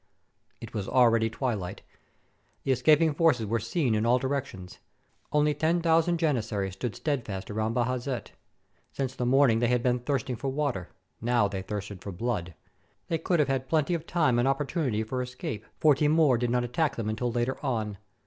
It was already twilight. The escaping forces were seen in all directions. Only 10,000 Janizaries stood steadfast round Bajazet. Since the morning they had been thirst ing for water : now they thirsted for blood ! They could have had plenty of time and opportunity for escape, for Timur did not attack them until later on.